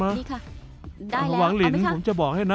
ได้แล้วเอาไหมคะหวังลินผมจะบอกให้นะ